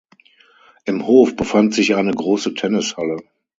Im Hof befand sich eine große Tennishalle.